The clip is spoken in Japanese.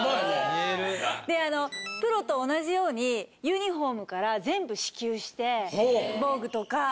・見える・であのプロと同じようにユニフォームから全部支給して防具とか